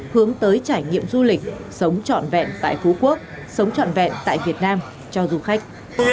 hướng tới trải nghiệm du lịch sống trọn vẹn tại phú quốc sống trọn vẹn tại việt nam cho du khách